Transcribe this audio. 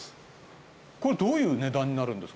どういう値段になるんですか？